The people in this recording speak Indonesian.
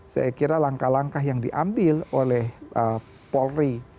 saya kira langkah langkah yang diambil oleh paul ri